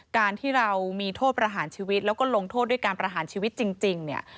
การที่เรามีโทษประหารชีวิตแล้วก็ลงโทษด้วยการประหารชีวิตจริงเนี่ย